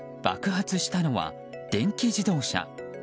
爆発したのは電気自動車。